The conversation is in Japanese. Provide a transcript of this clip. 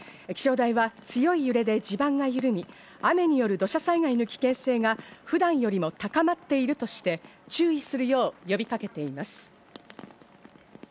気象台は強い揺れで地盤が緩み、雨による土砂災害の危険性が普段よりも高まっているとして注意するよう呼びかけています。